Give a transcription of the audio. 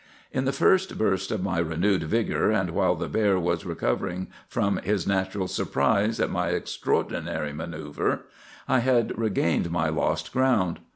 "In the first burst of my renewed vigor, and while the bear was recovering from his natural surprise at my extraordinary manœuvre, I had regained my lost ground.